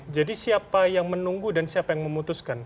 jadi siapa yang menunggu dan siapa yang memutuskan